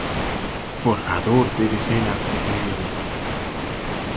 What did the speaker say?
Forjador de decenas de periodistas.